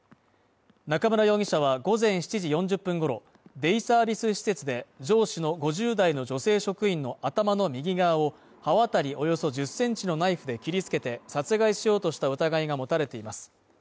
中村容疑者は午前７時４０分ごろデイサービス施設で、上司の５０代の女性職員の頭の右側を刃渡りおよそ１０センチのナイフで切り付けて殺害しようとした疑いが持たれています。